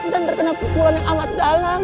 dan terkena pukulan yang amat dalam